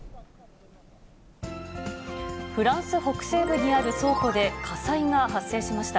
フランス北西部にある倉庫で火災が発生しました。